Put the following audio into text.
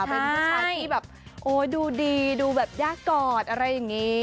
เป็นผู้ชายที่แบบโอ้ดูดีดูแบบยากกอดอะไรอย่างนี้